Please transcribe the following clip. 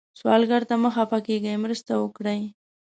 سوالګر ته مه خفه کېږئ، مرسته وکړئ